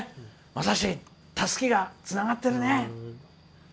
まさし、たすきがつながってるね！